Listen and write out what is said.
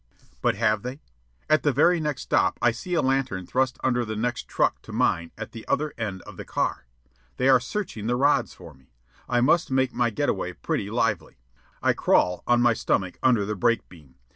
But have they? At the very next stop, I see a lantern thrust under the next truck to mine at the other end of the car. They are searching the rods for me. I must make my get away pretty lively. I crawl on my stomach under the brake beam.